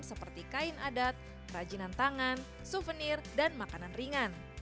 seperti kain adat rajinan tangan suvenir dan makanan ringan